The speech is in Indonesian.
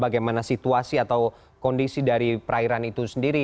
bagaimana situasi atau kondisi dari perairan itu sendiri